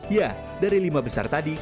ya dari lima besar tadi